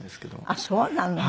あっそうなの。